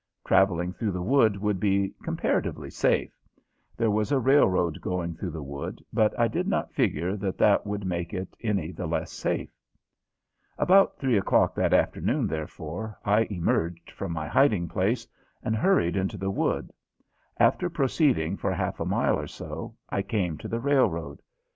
Traveling through the wood would be comparatively safe. There was a railroad going through the wood, but I did not figure that that would make it any the less safe. About three o'clock that afternoon, therefore, I emerged from my hiding place and hurried into the wood. After proceeding for half a mile or so I came to the railroad.